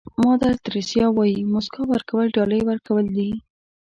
مادر تریسیا وایي موسکا ورکول ډالۍ ورکول دي.